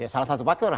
salah satu faktor